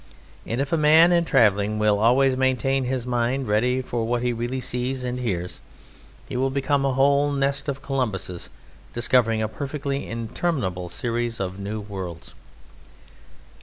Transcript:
And if a man in travelling will always maintain his mind ready for what he really sees and hears, he will become a whole nest of Columbuses discovering a perfectly interminable series of new worlds.